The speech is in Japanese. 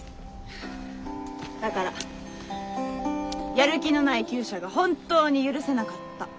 だからやる気のない厩舎が本当に許せなかった。